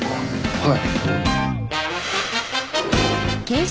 はい。